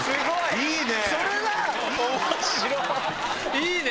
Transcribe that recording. いいね！